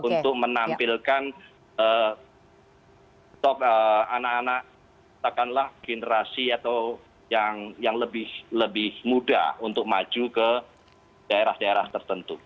untuk menampilkan anak anak katakanlah generasi atau yang lebih muda untuk maju ke daerah daerah tertentu